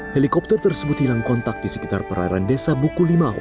helikopter tersebut hilang kontak di sekitar perairan desa bukulimau